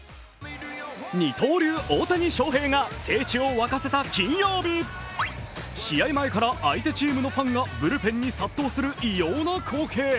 二刀流・大谷翔平が聖地を沸かせた金曜日、試合前から相手チームのファンがブルペンに殺到する異様な光景。